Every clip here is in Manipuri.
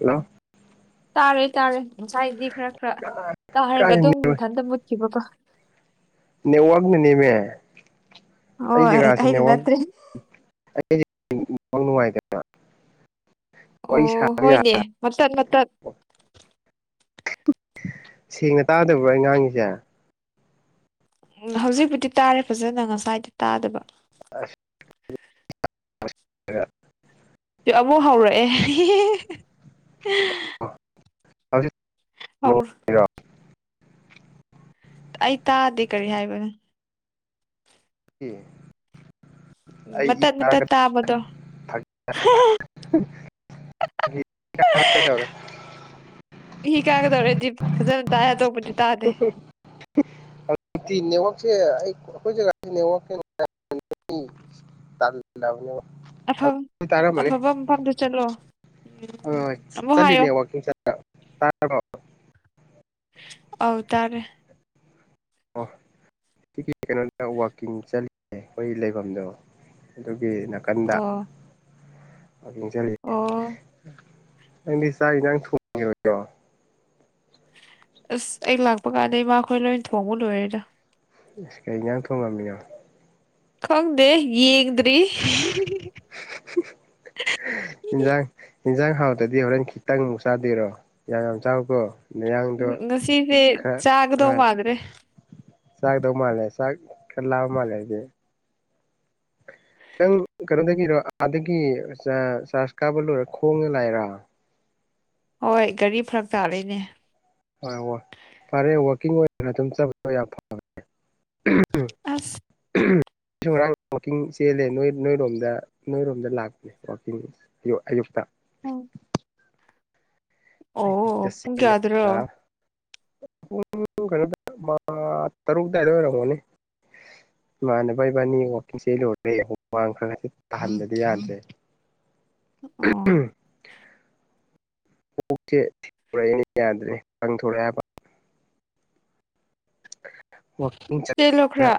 ꯍꯜꯂꯣ ꯇꯥꯔꯦ ꯇꯥꯔꯦ ꯉꯁꯥꯏꯗꯤ ꯈꯔ ꯈꯔ ꯇꯥꯔꯒ ꯀꯥꯏ ꯑꯗꯨꯝ ꯃꯊꯟꯇ ꯃꯨꯠꯈꯤꯕꯀꯣ ꯅ°ꯠꯋꯥꯛ ꯅ ꯅ°ꯃꯦ ꯍꯣꯏ ꯑꯩꯅ ꯅꯠꯇꯦ ꯑꯩ [unintelligible] ꯃꯪ ꯅꯨꯡꯉꯥꯏꯗꯅ ꯑꯣ ꯌꯥ ꯍꯣꯏꯅꯦ ꯃꯥꯇꯠ ꯃꯥꯇꯠ ꯁꯦꯡꯅ ꯇꯥꯗꯕ꯭ꯔꯣ ꯑꯩ ꯉꯥꯡꯉꯤꯁꯦ ꯍꯧꯖꯤꯛꯄꯨꯗꯤ ꯇꯥꯔꯦ ꯐꯖꯅ ꯉꯁꯥꯏꯗꯤ ꯇꯥꯗꯕ ꯑꯁ [unintelligible] ꯑꯃꯨꯛ ꯍꯧꯔꯛꯑꯦ [unintelligible] ꯑꯧ ꯑꯩ ꯇꯥꯗꯦ ꯀꯔꯤ ꯍꯥꯏꯕꯅꯣ [unintelligible] ꯑꯩ ꯃꯇꯠ ꯃꯇꯠ ꯇꯥꯕꯗꯣ [unintelligible] [unintelligible] ꯏ ꯀꯥꯒ ꯗꯧꯔꯦꯗꯤ ꯐꯖ ꯇꯥꯏ ꯇꯣꯞꯄꯗꯤ ꯇꯥꯗꯦ [unintelligible] ꯅꯦꯠꯋꯥꯛꯁꯦ ꯑꯩ ꯑꯩꯈꯣꯏ [inaudible] ꯑꯐ [unintelligible] ꯇꯥꯔꯝꯃꯅꯤ ꯑꯐꯕ ꯃꯐꯝꯗ ꯆꯠꯂꯣ ꯎꯝ ꯑ‌ꯣ ꯆ ꯑꯃꯨꯛ ꯍꯥꯏꯌꯣ ꯆꯠꯂꯤꯅꯦꯕꯥ ꯋꯥꯀꯤꯛ [unintelligible] ꯇꯥꯗ꯭ꯔ‌ꯣ ꯑꯧ ꯇꯥꯔꯦ ꯑꯣ ꯁꯤ ꯀꯩꯅꯣꯗ ꯋꯥꯛꯀꯤꯡ ꯆꯠꯂꯤꯌ‌ꯦ ꯈꯣꯏ ꯂꯩꯐꯝꯗꯣ ꯑꯗꯨꯒꯤ ꯅꯥꯀꯟꯗ ꯑꯣ ꯑꯣ [unintelligible] ꯅꯪꯗꯤ ꯆꯥꯛ ꯏꯟꯖꯥꯡ ꯊꯣꯡ [unintelligible] ꯔꯣꯏꯗꯣ ꯑꯁ ꯑꯩ ꯂꯥꯛꯄ ꯀꯥꯟꯗ ꯏꯃꯥꯈꯣꯏ ꯂꯣꯏ ꯊꯣꯡꯕ ꯂꯣꯏꯔꯦꯗ ꯏꯁ ꯀꯩ ꯍꯤꯡꯖꯥꯡ ꯊꯣꯡꯉꯝꯃꯤꯅꯣ ꯈꯪꯗꯦ ꯌꯦꯡꯗ꯭ꯔꯤ ꯏꯟꯁꯥꯡ ꯏꯟꯁꯥꯡ ꯍꯥꯎꯇꯗꯤ ꯍꯣꯔꯦꯟ ꯈꯤꯇꯪꯃꯨꯛ ꯆꯥꯗꯣꯏꯔꯣ ꯌꯥꯝ ꯌꯥꯝ ꯆꯥꯎꯀꯣ ꯅꯌꯥꯡꯗꯣ ꯉꯁꯤꯁꯦ ꯈꯔ ꯆꯥꯒꯗꯧ ꯑꯥꯏ ꯃꯥꯟꯗ꯭ꯔꯦ ꯆꯥꯛꯗꯧ ꯃꯥꯜꯂꯦ ꯆꯥꯛ ꯀꯥ ꯂꯥꯝꯃꯥꯂꯩꯔꯦ ꯅꯪ ꯀꯩꯅꯣꯗꯒꯤꯔꯣ ꯑꯗꯒꯤ ꯆꯥ ꯆꯥꯔꯖ ꯀꯥꯕ ꯂꯣꯏꯔ ꯈꯣꯡꯅ ꯂꯥꯏꯔꯥ ꯍꯣꯏ ꯒꯥꯔꯤ ꯐꯥꯔꯛ ꯇꯥꯔꯦꯅꯦ ꯍꯣꯏ ꯍꯣꯏ ꯐꯔꯦ ꯋꯀꯤꯡ ꯑꯣꯏꯅ ꯑꯗꯨꯝ ꯆꯠꯗ ꯌꯥꯝ ꯐꯔꯦ ꯑꯁ ꯑꯩꯁꯨ ꯉꯔꯥꯡ ꯋꯥꯛꯀꯤꯡ ꯆꯦꯜꯂꯦ ꯅꯣꯏ ꯅꯣꯏꯔꯣꯝꯗ ꯅꯣꯏꯔꯣꯝꯗ ꯂꯥꯛꯄꯅꯦ ꯋꯥꯛꯀꯤꯡ ꯥꯑꯌꯛ ꯑꯌꯨꯛꯇ ꯎꯝ ꯑꯌꯨꯛꯇ ꯑꯣ ꯄꯨꯡ ꯀꯌꯥꯗꯔꯣ ꯆꯦꯜꯂꯒ ꯄꯨꯡ ꯀꯩꯅꯣ ꯃꯥ ꯇꯔꯨꯛ ꯗꯥꯏꯗ ꯑꯣꯏꯔꯝꯒꯅꯤ ꯏꯃꯥꯟꯅꯕ ꯏꯕꯥꯅꯤ ꯋꯥꯛꯀꯤꯡ ꯆꯦꯜꯂꯨꯔꯦ ꯍꯨꯃꯥꯡ ꯈꯔ ꯈꯔ ꯇꯥꯍꯟꯗ꯭ꯔꯗꯤ ꯌꯥꯗ꯭ꯔꯦ [inaudible] ꯎ ꯑꯥ [unintelligible] ꯀꯣꯛꯁꯦ ꯊꯤꯗꯣꯔꯛꯑꯦ ꯌꯥꯗ꯭ꯔꯦ ꯄꯪꯊꯣꯔꯛꯑꯦ ꯍꯥꯏꯕ ꯋꯥꯀꯤꯡ [unintelligible] ꯆꯦꯜꯂꯣ ꯈꯔ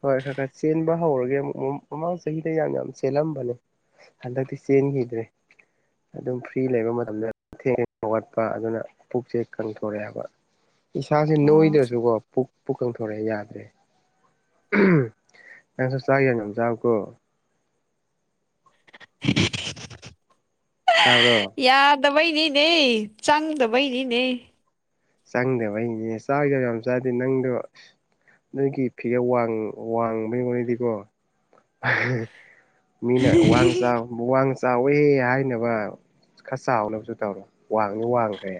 ꯍꯣꯏ ꯈꯔ ꯈꯔ ꯆꯦꯟꯕ ꯍꯧꯔꯒꯦ ꯑꯃꯨꯛ ꯃꯃꯥꯡ ꯆꯍꯤꯗ ꯌꯥꯝ ꯌꯥꯝ ꯆꯦꯜꯂꯝꯕꯅꯦ ꯍꯟꯗꯛꯇꯤ ꯆꯦꯟꯈꯤꯗ꯭ꯔꯦ ꯑꯗꯨꯝ ꯐ꯭ꯔꯤ ꯂꯩꯕ ꯃꯇꯝꯗ ꯊꯦꯡ ꯍꯧꯒꯠꯄ ꯑꯗꯨꯅ ꯄꯨꯛꯁꯦ ꯀꯪꯊꯣꯔꯑꯦ ꯍꯥꯏꯕ ꯏꯁꯥꯁꯦ ꯑꯣ ꯅꯣꯏꯗ꯭ꯔꯁꯨꯀꯣ ꯄꯨꯛ ꯄꯨꯛ ꯀꯪꯊꯣꯔꯛꯑꯦ ꯌꯥꯗ꯭ꯔꯦ ꯑꯦ ꯁꯣꯁꯍꯅ ꯍ ꯑꯥꯎꯀꯣ [inaudible] ꯇꯥꯔꯕꯔ ꯌꯥꯗꯕꯩꯅꯤꯅꯦ ꯆꯪꯗꯕꯩꯅꯤꯅꯦ ꯆꯪꯗꯕ ꯑꯩꯅꯦ ꯆꯥꯛꯗꯕ ꯌꯥꯝ ꯆꯥꯗꯦ ꯅꯪꯗꯣ ꯅꯣꯏꯒꯤ ꯐꯤꯒꯔꯡ ꯋꯥꯡꯕꯩ ꯃꯅꯤꯗꯤꯀꯣ ꯃꯤꯅ ꯋꯥꯡ ꯆꯥꯎ ꯋꯥꯡ ꯆꯥꯎꯋꯦꯍꯦ ꯍꯥꯏꯅꯕ ꯈꯔ ꯆꯥꯎꯅꯕꯁꯨ ꯇꯧꯔꯣ ꯋꯥꯡꯅꯤ ꯋꯥꯡꯈ꯭ꯔꯦ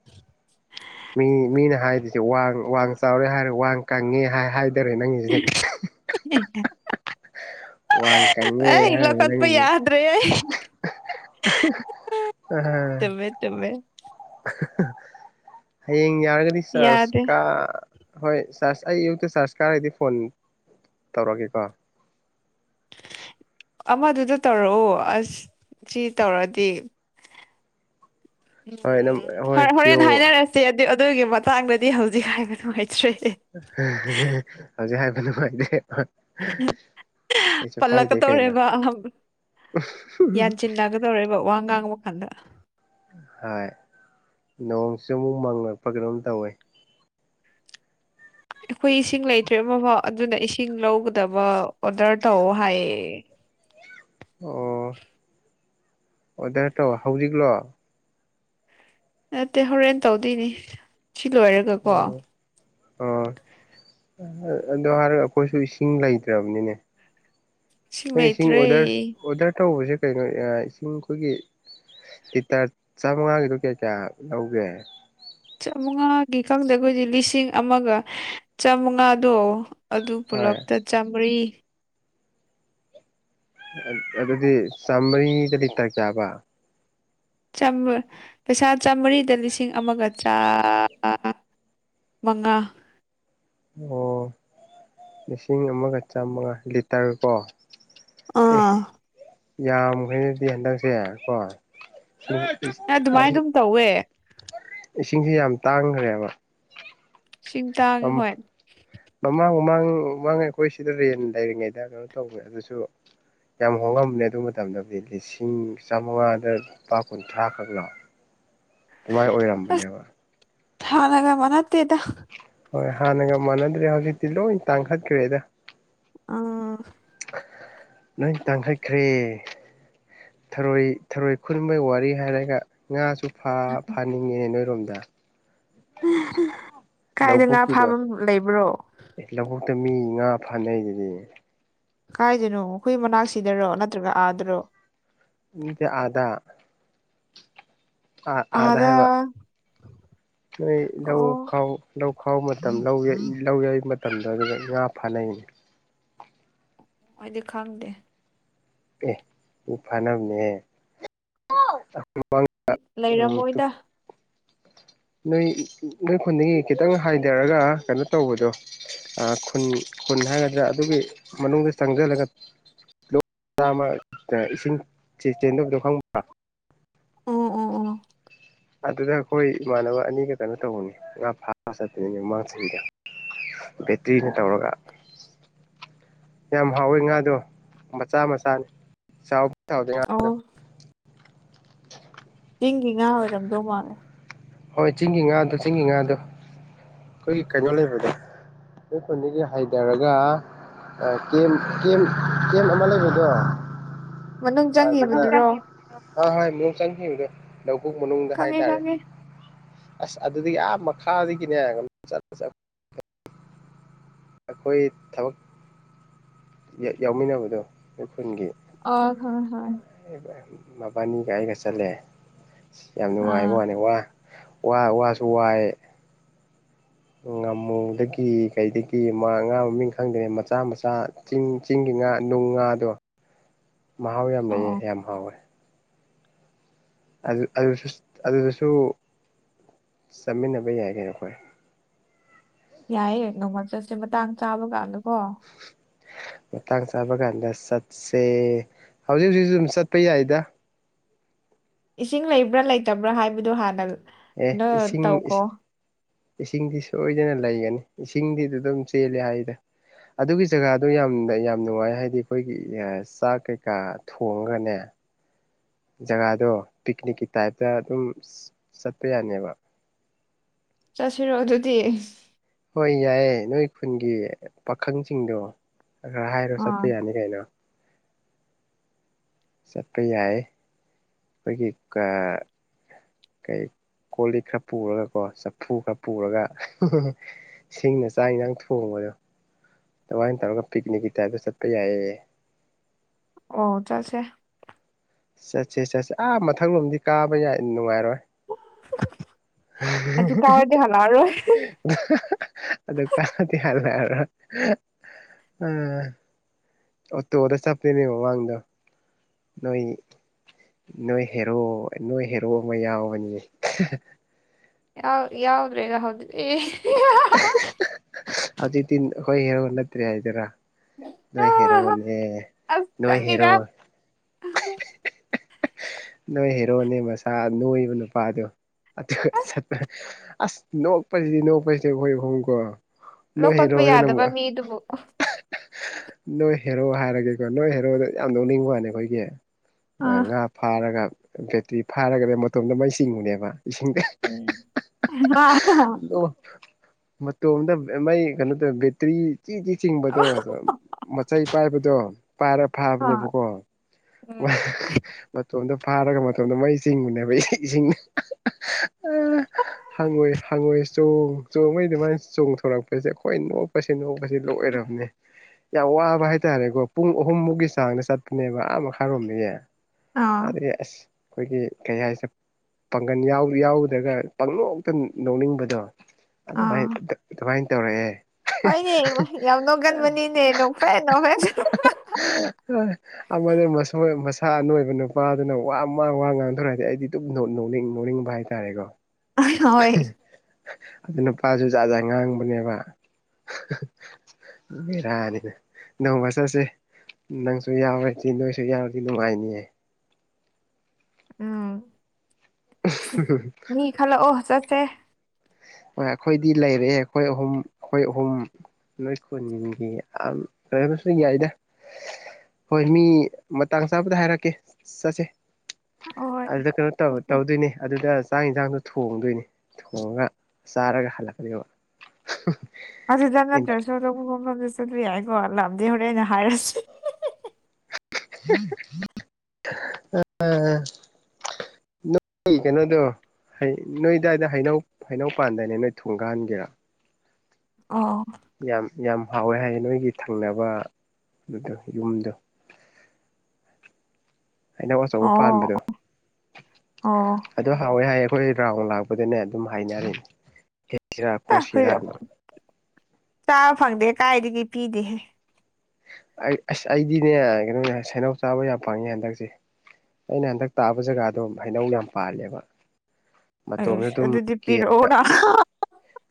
[inaudible] ꯃꯤ ꯃꯤꯅ ꯍꯥꯏꯔꯤꯁꯦ ꯋꯥ ꯋꯥꯡ ꯆꯥꯎꯔꯦ ꯍꯥꯏꯔꯦ ꯋꯥ ꯀꯪꯉꯦ ꯍꯥꯏ ꯇꯔꯦ ꯅꯪꯁꯤꯗꯤ ꯋꯥ ꯀꯪꯉꯦ ꯑꯩ ꯂꯧꯈꯠꯄ ꯍꯥꯏꯪꯉ ꯌꯥꯗ꯭ꯔꯦ ꯑꯩ ꯍꯝ ꯇꯃꯦ ꯇꯃꯦ ꯍꯌꯦꯡ ꯌꯥꯔꯒꯗꯤ ꯆꯔꯁ ꯌꯥꯗꯦ ꯀ ꯍꯣꯏ ꯆꯥꯔꯖ ꯑꯩ ꯑꯌꯨꯛꯇ ꯆꯥꯔꯖ ꯀꯥꯔꯗꯤ ꯐꯣꯟ ꯇꯧꯔꯛꯒꯦꯀꯣ ꯑꯃꯗꯨꯗ ꯇꯧꯔꯛꯑꯣ ꯑꯁ ꯁꯤ ꯇꯧꯔꯗꯤ ꯍꯣꯏ ꯑꯗꯨꯝ ꯎꯝ ꯍ ꯍꯣꯏ ꯍꯣꯔꯦꯟ ꯖꯤꯑꯣ ꯍꯥꯏꯅꯔꯁꯤ ꯑꯗꯨ ꯑꯗꯨꯒꯤ ꯃꯇꯥꯡꯗꯗꯤ ꯍꯧꯖꯤꯛ ꯍꯥꯏꯕ ꯅꯨꯡꯉꯥꯏꯇ꯭ꯔꯦ ꯍꯧꯖꯤꯛ ꯍꯥꯏꯕ ꯅꯨꯡꯉꯥꯏꯅꯦꯦ ꯑꯩꯁꯨ ꯄꯥꯏ ꯗꯦꯅ ꯄꯜꯂꯛꯀꯗꯧꯔꯦꯕ ꯇꯧꯔꯦꯕ ꯋꯥ ꯉꯥꯡꯉꯕ ꯀꯥꯟꯗ ꯍꯣꯏ ꯅꯣꯡꯁꯤ ꯑꯃꯨꯛ ꯃꯥꯡꯉꯛꯄ ꯀꯩꯅꯣꯝ ꯇꯧꯋꯦ ꯑꯩꯈꯣꯏ ꯏꯁꯤꯡ ꯂꯩꯇ꯭ꯔꯦ ꯑꯃꯐꯥꯎ ꯑꯗꯨꯅ ꯏꯁꯤꯡ ꯂꯧꯒꯗꯕ ꯑꯣꯗꯔ ꯇꯧ ꯍꯥꯏꯌꯦ ꯑꯣ ꯑꯣꯗꯠꯇꯣ ꯍꯧꯖꯤꯛꯂꯣ ꯅꯠꯇꯦ ꯍꯣꯔꯦꯟ ꯇꯧꯗꯣꯏꯅꯤ ꯁꯤ ꯂꯣꯏꯔꯒ ꯑꯣ ꯑꯣ ꯑꯗꯨꯗꯣ ꯍꯥꯏꯔ ꯑꯩꯈꯣꯏꯁꯨ ꯏꯁꯤꯡ ꯂꯩꯇ꯭ꯔꯕꯅꯤꯅꯦ ꯅꯣꯏ ꯏꯁꯤꯡ ꯑꯣꯗꯔ ꯑꯣꯗꯔ ꯇꯧꯕꯁꯦ ꯀꯩꯅꯣ ꯏꯁꯤꯡ ꯑꯩꯈꯣꯏꯒꯤ ꯂꯤꯇꯔ ꯆꯥꯃꯉꯥꯒꯤꯗꯣ ꯀꯌꯥ ꯀꯌꯥ ꯂꯧꯒꯦ ꯆꯥꯃꯉꯥꯒꯤ ꯈꯪꯗ ꯑꯩꯈꯣꯏꯗꯤ ꯂꯤꯁꯤꯡ ꯑꯃꯒ ꯆꯥꯃꯉꯥꯗꯣ ꯑꯗꯨ ꯍꯣꯏ ꯄꯨꯂꯞꯇ ꯆꯥꯃꯔꯤ ꯑꯗꯨꯗꯤ ꯆꯥꯝꯃꯔꯤꯗ ꯂꯤꯇ ꯀꯌꯥꯕ ꯄꯩꯁꯥ ꯆꯥꯝꯃꯔꯤꯗ ꯂꯤꯁꯤꯡ ꯑꯃꯒ ꯆꯥ ꯃꯉꯥ ꯑꯣ ꯂꯤꯁꯤꯡ ꯑꯃꯒ ꯆꯥꯝꯃꯒ ꯂꯤꯇꯔ ꯀꯣ ꯑꯦ ꯑꯥ ꯌꯥꯝꯈ꯭ꯔꯦꯅꯦ ꯍꯟꯗꯛꯁꯦ ꯀꯣ ꯑꯗꯨꯃꯥꯏꯅꯗꯨꯝ ꯇꯧ ꯂꯩꯌꯦ ꯏꯁꯤꯡꯁꯤ ꯌꯥꯝ ꯇꯥꯡꯈ꯭ꯔꯦꯕ ꯁꯤꯡꯇꯥꯒꯤ ꯍꯣꯏ ꯃꯃꯥꯡ ꯃꯃꯥꯡ ꯃꯃꯥꯡ ꯑꯩꯈꯣꯏ ꯁꯤꯗ ꯔꯦꯟ ꯂꯩꯔꯤꯉꯩꯗ ꯀꯩꯅꯣ ꯇꯧꯋꯦ ꯑꯗꯨꯁꯨ ꯌꯥꯝ ꯍꯣꯡꯉꯝꯕꯅꯦ ꯑꯗꯨ ꯃꯇꯝꯗꯕꯨꯗꯤ ꯂꯤꯁꯤꯡ ꯆꯥꯃꯉꯥꯗ ꯂꯨꯄꯥ ꯀꯨꯟꯊ꯭ꯔꯥ ꯈꯛꯅ ꯑꯗꯨꯃꯥꯏꯅ ꯑꯣꯏꯔ ꯑꯁ ꯊꯅꯒ ꯃꯅꯥꯠꯇꯦꯗ ꯍꯣꯏ ꯍꯥꯟꯅꯒ ꯃꯥꯟꯅꯗ꯭ꯔꯦ ꯍꯧꯖꯤꯛꯇꯤ ꯂꯣꯏ ꯇꯥꯡꯈꯠꯈ꯭ꯔꯦꯗ ꯑꯥ ꯅꯣꯏ ꯇꯥꯡꯈꯠꯈ꯭ꯔꯦ ꯊꯔꯣꯏ ꯊꯔꯣꯏ ꯈꯨꯟꯕꯩ ꯋꯥꯔꯤ ꯍꯥꯏꯔꯒ ꯉꯥꯁꯨ ꯐꯥꯅꯤꯡꯉꯤꯅꯦ ꯅꯣꯏꯔꯣꯝꯗ ꯀꯥꯏꯗ ꯉꯥ ꯂꯕꯨꯨꯀꯤꯗ ꯐꯥꯕꯝ ꯂꯩꯕ꯭ꯔꯣ ꯑꯦ ꯂꯧꯕꯨꯛꯇ ꯃꯤ ꯉꯥ ꯐꯥꯅꯩ ꯑꯗꯨꯗꯤ ꯀꯥꯏꯗꯅꯣ ꯑꯩꯈꯣꯏ ꯃꯅꯥꯛꯁꯤꯗꯔꯣ ꯅꯠꯇ꯭ꯔꯒ ꯑꯥꯗꯔꯣ ꯃꯤꯗ ꯑꯥꯗ ꯑꯥꯥ ꯑꯥꯗ ꯍꯥꯏꯕ ꯅꯣꯏ ꯂꯧ ꯑꯣ ꯈꯥꯎ ꯂꯧ ꯈꯥꯎꯕ ꯃꯇꯝ ꯂꯧ ꯌꯩ ꯂꯧ ꯌꯩꯕ ꯃꯇꯝꯗ ꯑꯗꯨꯗ ꯉꯥ ꯐꯥꯅꯩꯅꯤ ꯑꯩꯗꯤ ꯈꯪꯗꯦ ꯑꯦ ꯃꯤ ꯐꯅꯕꯅꯦꯍꯦ ꯂꯩꯔꯝꯃꯣꯏꯗ ꯅꯣꯏ ꯅꯣꯏ ꯈꯨꯟꯗꯒꯤ ꯈꯤꯇꯪ ꯍꯥꯏꯗꯔꯒ ꯀꯩꯅꯣ ꯇꯧꯕꯗꯣ ꯑꯥ ꯈꯨꯟ ꯈꯨꯟ ꯍꯥꯏꯒꯗ꯭ꯔꯥ ꯑꯗꯨꯒꯤ ꯃꯅꯨꯡꯗ ꯆꯪꯖꯤꯜꯂꯒ ꯂꯣꯛ ꯃꯆꯥ ꯑꯃ ꯏꯁꯤꯡ ꯆꯦꯟꯗꯣꯛꯕꯗꯣ ꯈꯪꯕ꯭ꯔꯥ ꯑꯣ ꯑꯣ ꯑꯣ ꯑꯗꯨꯗ ꯑꯩꯈꯣꯏ ꯏꯃꯥꯟꯅꯕ ꯑꯅꯤꯒ ꯀꯩꯅꯣ ꯇꯧꯕꯅꯤ ꯉꯥ ꯐꯥꯕ ꯆꯠꯇꯣꯏꯅꯤꯅꯦ ꯃꯃꯥꯡ ꯆꯍꯤꯗ ꯕꯦꯇ꯭ꯔꯤꯅ ꯑꯣ ꯇꯧꯔꯒ ꯌꯥꯝ ꯍꯥꯎꯋꯤ ꯉꯥꯗꯣ ꯃꯆꯥ ꯃꯆꯥꯅꯤ ꯆꯥꯎꯕꯗꯤ ꯆꯥꯎꯗꯦ ꯑꯣ ꯉꯥꯗꯣ ꯆꯤꯡꯒꯤ ꯉꯥ ꯑꯣꯏꯔꯝꯗꯧ ꯃꯥꯜꯂꯦ ꯍꯣꯏ ꯆꯤꯡꯒꯤ ꯉꯥꯗꯣ ꯆꯤꯡꯒꯤ ꯉꯥꯗꯣ ꯑꯩꯈꯣꯏꯒꯤ ꯀꯩꯅꯣ ꯂꯩꯕꯗꯣ ꯅꯣꯏ ꯈꯨꯟꯗꯒꯤ ꯍꯥꯏꯗꯔꯒ ꯀꯦꯝ ꯀꯦꯝ ꯀꯦꯝ ꯑꯃ ꯂꯩꯕꯗꯣ ꯃꯅꯨꯡ ꯆꯪꯈꯤꯕꯗꯨꯔꯣ ꯍꯣꯏ ꯃꯅꯨꯡ ꯆꯪꯈꯤꯕꯗꯣ ꯂꯕꯨꯛ ꯃꯅꯨꯡꯗ ꯈꯪꯉꯦ ꯍꯥꯏꯇꯥꯔꯦ ꯈꯪꯉꯦ ꯑꯁ ꯑꯗꯨꯗꯤ ꯑꯥ ꯃꯈꯥꯗꯒꯤꯅꯦ ꯆꯠꯆꯠ ꯑꯩꯈꯣꯏ ꯊꯕꯛ ꯌꯥꯎꯃꯤꯟꯅꯕꯗꯣ ꯅꯣꯏ ꯈꯨꯜꯒꯤ ꯑꯥ ꯈꯪꯉꯦ ꯈꯪꯉꯦ ꯃꯕꯥꯅꯤꯒ ꯑꯩꯒ ꯆꯠꯂꯦ ꯌꯥꯝ ꯑꯥ ꯅꯨꯡꯉꯥꯏꯕ ꯋꯥꯅꯦ ꯋꯥ ꯋꯥ ꯋꯥꯁꯨ ꯋꯥꯏ ꯉꯥꯃꯨꯗꯒꯤ ꯀꯩꯗꯒꯤ ꯃꯥ ꯉꯥ ꯃꯃꯤꯡ ꯈꯪꯗ꯭ꯔꯦ ꯃꯆꯥ ꯃꯆꯥ ꯆꯤꯡ ꯆꯤꯡꯒꯤ ꯉꯥ ꯅꯨꯡ ꯉꯥꯗꯣ ꯃꯍꯥꯎ ꯌꯥꯝ ꯑꯣ ꯂꯩꯌꯦ ꯑꯣ ꯌꯥꯝ ꯍꯥꯎꯋꯦ ꯑꯗꯨ ꯑꯗꯨꯗꯁꯨ ꯆꯠꯃꯤꯟꯅꯕ ꯌꯥꯏ ꯀꯩꯅꯣ ꯑꯩꯈꯣꯏ ꯌꯥꯏꯌꯦ ꯅꯣꯡꯃ ꯆꯠꯁꯦ ꯃꯇꯥꯡ ꯆꯥꯕ ꯀꯥꯟꯗꯀꯣ [inaudible] ꯃꯇꯥꯡ ꯆꯥꯕ ꯀꯥꯟꯗ ꯆꯠꯁꯦ ꯍꯧꯖꯤꯛ ꯍꯧꯖꯤꯛꯁꯨ ꯑꯗꯨꯝ ꯆꯠꯄ ꯌꯥꯏꯗ ꯏꯁꯤꯡ ꯂꯩꯕ꯭ꯔꯥ ꯂꯩꯇꯕ꯭ꯔꯥ ꯍꯥꯏꯕꯗꯨꯣ ꯍꯥꯟꯅ ꯑꯦ ꯀꯩꯅꯣ ꯏꯁꯤꯡ ꯇꯧꯈꯣ ꯏꯁꯤꯡꯗꯤ ꯁꯣꯏꯗꯅ ꯂꯩꯒꯅꯤ ꯏꯁꯤꯡꯗꯤ ꯑꯗꯨꯗ ꯑꯗꯨꯝ ꯆꯦꯜꯂꯦ ꯍꯥꯏꯗ ꯑꯗꯨꯒꯤ ꯖꯒꯥꯗꯣ ꯌꯥꯝꯅ ꯌꯥꯝ ꯅꯨꯡꯉꯥꯏ ꯍꯥꯏꯗꯤ ꯑꯩꯈꯣꯏꯒꯤ ꯆꯥꯛ ꯀꯩꯀꯥ ꯊꯣꯡꯉꯒꯅꯦ ꯖꯒꯥꯗꯣ ꯄꯤꯛꯅꯤꯛꯀꯤ ꯇꯥꯏꯞꯇ ꯑꯗꯨꯝ ꯆꯠꯄ ꯌꯥꯅꯦꯕ ꯆꯠꯁꯤꯔꯣ ꯑꯗꯨꯗꯤ ꯍꯣꯏ ꯌꯥꯏꯌꯦ ꯅꯣꯏ ꯈꯨꯟꯒꯤ ꯄꯥꯈꯪꯁꯤꯡꯗꯣ ꯈꯔ ꯈꯔ ꯍꯥꯏꯔꯣ ꯆꯠꯄ ꯑꯥ ꯌꯥꯅꯤ ꯀꯩꯅꯣ ꯆꯠꯄ ꯌꯥꯏ ꯑꯩꯈꯣꯏꯒꯤ ꯀꯥ ꯀꯩ ꯀꯣꯜꯂꯤꯛ ꯈꯔ ꯄꯨꯔꯒꯀꯣ ꯆꯐꯨ ꯈꯔ ꯄꯨꯔꯒ ꯁꯤꯡꯅ ꯆꯥꯛ ꯌꯦꯟꯖꯥꯡ ꯊꯣꯡꯕꯗꯣ ꯑꯗꯨꯃꯥꯏꯅ ꯇꯧꯔꯒ ꯄꯤꯛꯅꯤꯛꯀꯤ ꯇꯥꯏꯞꯇ ꯆꯠꯄ ꯌꯥꯏꯌꯦ ꯑꯣ ꯆꯠꯁꯦ ꯆꯠꯁꯦ ꯆꯠꯁꯤ ꯑꯥ ꯃꯊꯪ ꯂꯣꯝꯗꯤ ꯀꯥꯕ ꯌꯥ ꯅꯨꯡꯉꯥꯏꯔꯣꯏ ꯑꯗꯨ ꯀꯥꯎꯔꯗꯤ [unintelligible] ꯍꯜꯂꯛꯑꯔꯣꯏ ꯑꯗꯨ ꯀꯥꯕꯗꯤ ꯌꯥꯔꯣꯏ ꯍꯥꯏꯔ ꯑꯝ ꯑꯣ ꯇꯣꯗ ꯆꯞꯄꯦꯅꯦ ꯃꯃꯥꯡꯗꯣ ꯅꯣꯏ ꯅꯣꯏ ꯍꯦꯔꯣ ꯅꯣꯏ ꯍꯦꯔꯣ ꯑꯃ ꯌꯥꯎꯕꯅꯤꯍꯦ ꯌꯥꯎ ꯌꯥꯎꯗ꯭ꯔꯦꯅ ꯍꯧꯖꯤꯗꯤ ꯍꯧꯖꯤꯛꯇꯤ ꯑꯈꯣꯏ ꯍꯦꯔꯣ ꯅꯠꯇ꯭ꯔꯦ ꯍꯥꯏꯗꯣꯏꯔꯥ ꯅꯣꯏ ꯍꯦꯔꯣꯅꯦ ꯑꯁ ꯅꯣꯏ ꯍꯦꯔꯣ ꯈꯪꯗꯦꯗ ꯅꯣꯏ ꯍꯦꯔꯣꯅꯦ ꯃꯁꯥ ꯅꯣꯏꯕ ꯅꯨꯄꯥꯗꯣ ꯆꯄ ꯑꯁ ꯅꯣꯛꯄꯁꯤꯗꯤ ꯅꯣꯛꯄꯁꯤ ꯑꯩꯈꯣꯏ ꯑꯍꯣꯝ ꯀꯣ ꯂꯧꯈꯠꯄ ꯌꯥꯗꯕ ꯃꯤꯗꯨꯕꯨ ꯑ ꯅꯣꯏ ꯍꯦꯔꯣ ꯍꯥꯏꯔꯒꯦꯀꯣ ꯅꯣꯏ ꯍꯦꯔꯣꯗ ꯌꯥꯝ ꯅꯣꯛꯅꯤꯡꯕꯋꯥꯅꯦ ꯑꯩꯈꯣꯏꯒꯤ ꯑꯥ ꯉꯥ ꯐꯥꯔꯒ ꯕꯦꯇ꯭ꯔꯤ ꯐꯥꯔꯒꯅꯦ ꯃꯇꯣꯝꯗ ꯃꯩ ꯆꯤꯡꯉꯤꯅꯦ ꯃꯥ ꯏꯁꯤꯡꯗ ꯎꯝ ꯑꯥ ꯂꯣ ꯇꫭꯝꯗ ꯑ ꯃꯩ ꯀꯩꯅꯣ ꯇꯧꯋꯥ ꯕꯦꯇꯔꯤ ꯆꯤ ꯆꯤ ꯆꯤꯡꯤꯕꯗꫭ ꯑꯗꫭ ꯃꯆꯩ ꯄꯥꯏꯕꯗꯣ ꯄꯥꯏꯔ ꯐꯕꯅꯦꯕꯀꯣ ꯎꯝ ꯃꯇꯣꯝꯗ ꯐꯥꯔꯒ ꯃꯇꯣꯝꯗ ꯃꯩ ꯆꯤꯡꯕꯅꯦꯕ ꯏꯁꯤꯡ ꯏꯁꯤꯡꯅ ꯍꯪꯉꯣꯏ ꯍꯪꯉꯣꯏ ꯆꯣꯡ ꯆꯣꯡꯕꯩ ꯑꯗꯨ ꯃꯥꯥꯏꯅ ꯆꯣꯡꯊꯣꯔꯛꯄꯁꯦ ꯑꯩꯈꯣꯏ ꯅꯣꯛꯄꯁꯦ ꯅꯣꯛꯄꯁꯦ ꯂꯣꯏꯔꯝꯅꯦ ꯌꯥꯝ ꯋꯥꯕ ꯍꯥꯏꯇꯥꯔꯦꯀꯣ ꯄꯨꯡ ꯑꯍꯨꯝꯃꯨꯛꯀꯤ ꯆꯥꯡꯗ ꯆꯠꯄꯅꯦꯕ ꯑꯥ ꯃꯈꯥ ꯔꯣꯝꯗꯒꯤ ꯑꯥ ꯑꯗꯔꯤ ꯑꯁ ꯑꯩꯈꯣꯏꯒꯤ ꯀꯩ ꯍꯥꯏꯁꯤ ꯄꯥꯡꯒꯟ ꯌꯥꯎ ꯌꯥꯎꯗ꯭ꯔꯒ ꯄꯥꯡꯅꯣꯛꯇ ꯅꯣꯛꯅꯤꯡꯕꯗꯣ ꯑꯗꯨꯃꯥꯏ ꯑꯥ ꯑꯗꯨꯃꯥꯏꯅ ꯇꯧꯔꯛꯑꯦ ꯍꯣꯏꯅꯦ ꯌꯥꯝ ꯅꯣꯛꯒꯟꯕꯅꯤꯅꯦ ꯅꯣꯛꯐꯦꯠ ꯅꯣꯛꯐꯦꯠ ꯁꯨ ꯑꯃꯅ ꯃꯁꯣꯏ ꯃꯁꯥ ꯅꯣꯏ ꯑ ꯅꯨꯄꯥꯗꯨꯅ ꯋꯥ ꯃꯥꯡ ꯋꯥ ꯉꯥꯡꯊꯣꯔꯛꯑꯗꯤ ꯑꯩꯗꯤ ꯑꯗꯨꯝ ꯅꯣꯛ ꯅꯣꯛꯅꯤꯡ ꯅꯣꯛꯅꯤꯡꯕ ꯍꯥꯏꯇꯥꯔꯦꯀꯣ ꯑꯥꯏꯍꯣꯏ ꯑꯗꯨ ꯅꯨꯄꯥꯖꯨ ꯖꯥ ꯖꯥꯠ ꯉꯥꯡꯕꯅꯦꯕ ꯚꯦꯔꯅꯤ ꯅꯣꯡꯃꯆꯠꯁꯤ ꯅꯪꯁꯨ ꯌꯥꯎꯔꯗꯤ ꯅꯣꯏꯁꯨ ꯌꯥꯎꯔꯗꯤ ꯅꯨꯡꯉꯥꯏꯅꯤꯌꯦ ꯎꯝ ꯃꯤ ꯈꯜꯂꯛꯑꯣ ꯆꯠꯁꯦ ꯍꯣꯏ ꯑꯩꯈꯣꯏꯗꯤ ꯂꯩꯔꯦ ꯑꯩꯈꯣꯏ ꯑꯍꯨꯝ ꯑꯩꯈꯣꯏ ꯑꯍꯨꯝ ꯅꯣꯏ ꯈꯨꯟꯒꯤ ꯌꯥꯝ ꯂꯣꯏꯔ ꯑꯃꯁꯨ ꯌꯥꯏꯗ ꯍꯣꯏ ꯃꯤ ꯃꯇꯥꯡ ꯆꯥꯕꯗ ꯍꯥꯏꯔꯛꯀꯦ ꯆꯠꯁꯦ ꯍꯣꯏ ꯑꯗꯨꯗ ꯀꯩꯅꯣ ꯇꯧ ꯇꯧꯗꯣꯏꯅꯦ ꯑꯗꯨꯗ ꯆꯥꯛ ꯏꯟꯖꯥꯡꯗꯣ ꯊꯣꯡꯗꯣꯏꯅꯦ ꯊꯣꯡꯉꯒ ꯆꯥꯔꯒ ꯍꯜꯂꯛꯀꯅꯤꯕ ꯑꯗꯨꯗ ꯅꯠꯇ꯭ꯔꯁꯨ ꯑꯇꯣꯞꯄ ꯃꯐꯝꯗ ꯆꯠꯄ ꯌꯥꯏꯀꯣ ꯂꯥꯛꯑꯗꯤ ꯍꯣꯔꯦꯟꯅ ꯍꯥꯏꯔꯁꯤ [inaudible] ꯍꯣꯏ ꯍꯣꯏ ꯑꯩ ꯀꯩꯅꯣꯗꯣ ꯍꯩ ꯅꯣꯏꯗꯋꯥꯏꯗ ꯍꯩꯅꯧ ꯍꯩꯅꯧ ꯄꯥꯟꯗꯥꯏꯅꯦ ꯅꯣꯏ ꯊꯣꯡꯒꯥꯟꯒꯦꯔꯥ ꯑꯣ ꯌꯥꯝ ꯌꯥꯝ ꯍꯥꯎꯋꯦ ꯍꯥꯏꯌꯦ ꯅꯣꯏꯒꯤ ꯊꯪꯅꯕ ꯑꯗꯨꯗꯣ ꯌꯨꯝꯗꯣ ꯍꯩꯅꯧ ꯑꯆꯧꯕ ꯑꯣ ꯄꯥꯟꯕꯗꯣ ꯑꯣ ꯑꯗꯨ ꯍꯥꯎꯋꯦ ꯍꯥꯏꯌꯦ ꯑꯩꯈꯣꯏ ꯔꯥꯎꯟ ꯂꯥꯛꯄꯗꯅꯦ ꯑꯗꯨꯝ ꯍꯥꯏꯅꯔꯤꯟ [unintelligible] ꯆꯥꯕ ꯐꯪꯗꯦ ꯀꯥꯏꯗꯒꯤ ꯄꯤꯗꯦꯍꯦ ꯑꯩ ꯑꯁ ꯑꯩꯗꯤꯅꯦ ꯀꯩꯅꯣꯅꯦ ꯍꯁ ꯍꯩꯅꯧ ꯆꯥꯕ ꯌꯥꯝ ꯐꯪꯉꯦ ꯍꯟꯗꯛꯁꯤ ꯑꯩꯅ ꯍꯟꯗꯛ ꯇꯥꯕ ꯖꯒꯥꯗꯣ ꯍꯩꯅꯧ ꯌꯥꯝ ꯄꯥꯜꯂꯦꯕ ꯑꯩ ꯃꯇꯣꯝꯗ ꯑꯩꯁ ꯑꯗꯨꯝ ꯑꯗꯨꯗꯤ ꯄꯤꯔꯛꯑꯣꯅ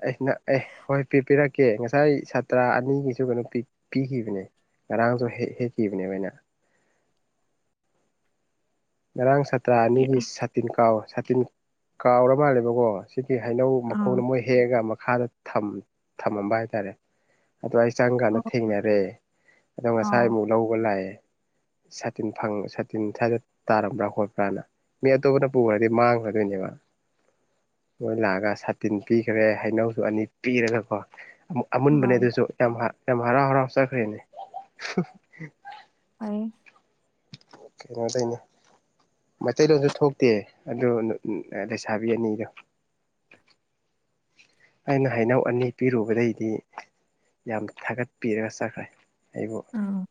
ꯑꯩ ꯅ ꯑꯦ ꯍꯣꯏ ꯄꯤ ꯄꯤꯔꯛꯀꯦ ꯉꯁꯥꯏ ꯁꯥꯇ꯭ꯔ ꯑꯅꯤꯒꯤꯁꯨ ꯀꯩꯅꯣ ꯄꯤ ꯄꯤꯈꯤꯕꯅꯦ ꯉꯔꯥꯡꯁꯨ ꯍꯦꯛ ꯍꯦꯛꯈꯤꯕꯅꯦꯕ ꯑꯩꯅ ꯉꯔꯥꯡ ꯁꯥꯇ꯭ꯔ ꯑꯅꯤꯒꯤ ꯄꯤꯔꯛꯑꯣ ꯁꯇꯤꯟ ꯀꯥꯎ ꯁꯥꯇꯤꯟ ꯀꯥꯎꯔ ꯃꯥꯜꯂꯦꯕꯀꯣ ꯁꯤꯗꯤ ꯍꯩꯅꯧ ꯑꯥ ꯃꯈꯣꯡꯗ ꯃꯣꯏ ꯍꯦꯛꯑꯒ ꯃꯈꯥꯗ ꯊꯝ ꯊꯝꯃꯝꯕ ꯍꯥꯏꯇꯥꯔꯦ ꯑꯗꯨ ꯑꯩ ꯆꯪꯀꯥꯟꯗ ꯑꯣ ꯊꯦꯡꯅꯔꯦ ꯑꯗꯣ ꯑꯥ ꯉꯁꯥꯏꯃꯨꯛ ꯂꯧꯕ ꯂꯥꯛꯑꯦ ꯁꯥꯇꯤꯟ ꯐꯪ ꯁꯥꯇꯤꯟ ꯇꯥꯔꯝꯕ꯭ꯔꯥ ꯈꯣꯠꯄ꯭ꯔꯅ ꯃꯤ ꯑꯇꯣꯞꯄꯅ ꯄꯨꯒ꯭ꯔꯗꯤ ꯃꯥꯡꯒ꯭ꯔꯗꯣꯏꯅꯦꯕ ꯃꯣꯏ ꯂꯥꯛꯑꯒ ꯁꯥꯇꯤꯟ ꯄꯤꯒꯔꯦ ꯍꯩꯅꯧꯁꯨ ꯑꯅꯤ ꯄꯤꯔꯒꯀꯣ ꯑꯃꯨꯛ ꯑꯃꯨꯟꯕꯅꯦ ꯑꯥ ꯑꯗꯨꯁꯨ ꯌꯥꯝ ꯑ ꯌꯥꯝ ꯍꯔꯥꯎ ꯍꯔꯥꯎ ꯆꯠꯈ꯭ꯔꯦꯅꯤ ꯐꯩ ꯀꯩꯅꯣꯇꯩꯅꯦ ꯃꯩꯇꯩ ꯂꯣꯟꯁꯨ ꯊꯣꯛꯇꯦ ꯑꯗꯨ ꯂꯩꯁꯥꯕꯤ ꯑꯅꯤꯗꯣ ꯑꯩꯅ ꯍꯩꯅꯧ ꯑꯅꯤ ꯄꯤꯔꯨꯕꯗꯩꯗꯤ ꯌꯥꯝ ꯊꯥꯒꯠꯄꯤꯔꯒ ꯆꯠꯈ꯭ꯔꯦ ꯑꯩꯕꯨ ꯎꯝ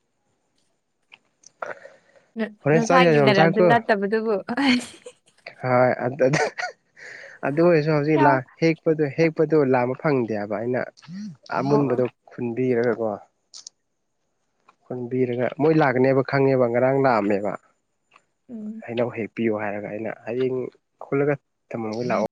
ꯍꯣꯔꯦꯟ ꯆꯥꯛ ꯌꯥꯝ ꯅꯁꯥꯒꯤ ꯌꯥꯝ ꯅꯔꯜ ꯁꯨ ꯆꯥꯀꯣ ꯅꯠꯇꯕꯗꯨꯕꯨ ꯍꯣꯏ ꯑꯗꯨ ꯑꯗꯨ ꯑꯣꯏꯔꯁꯨ ꯍꯧꯖꯤꯛ ꯌꯥꯎ. ꯂꯥꯛ ꯍꯦꯛ ꯍꯦꯛꯄꯗꯣ ꯂꯥꯝꯕ ꯐꯪꯗꯦꯕ ꯑꯩꯅ ꯑꯣ ꯑꯣ. ꯑꯃꯨꯟꯕꯗꯣ ꯈꯨꯟꯕꯤꯔꯒꯀꯣ ꯈꯨꯟꯕꯤꯔꯒ ꯃꯣꯏ ꯂꯥꯛꯀꯅꯦꯕ ꯈꯪꯉꯦꯕ ꯉꯔꯥꯡ ꯂꯥꯛꯑꯝꯃꯦꯕ ꯎꯝ ꯍꯩꯅꯧ ꯍꯦꯛ ꯄꯤꯌꯣ ꯍꯥꯏꯔꯒ ꯑꯩꯅ ꯍꯌꯦꯡ ꯈꯨꯟꯂꯒ ꯊꯝꯃꯝꯒꯦ ꯂꯥꯛꯑꯣ